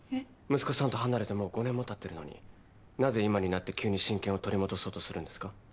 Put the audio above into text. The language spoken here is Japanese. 息子さんと離れてもう５年もたってるのになぜ今になって急に親権を取り戻そうとするんですか？